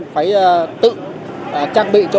phải tự trang bị cho